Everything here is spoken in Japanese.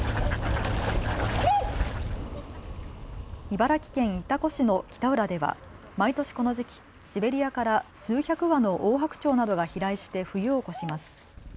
茨城県潮来市の北浦では毎年この時期、シベリアから数百羽のオオハクチョウなどが飛来して冬を越します。